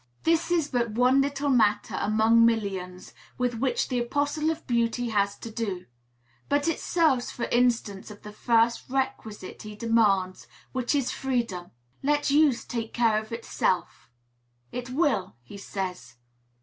This is but one little matter among millions with which the Apostle of Beauty has to do; but it serves for instance of the first requisite he demands, which is freedom. "Let use take care of itself." "It will," he says.